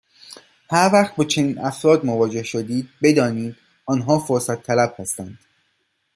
هر وقت با چنین افراد مواجه شدید بدانید آنها فرصت طلب هستند.